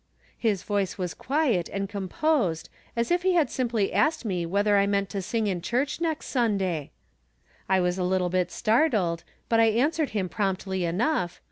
" His voice was as quiet and composed as if he had simply asked me whether I meant to sing in church ne?;t Sunday. I was a little bit startled, hut I answered him promptly enough